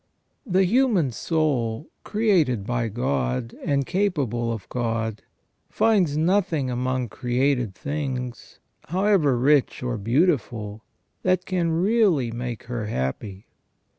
The human soul, created by God, and capable of God, finds nothing among created things, however rich or beautiful, that can really make her happy.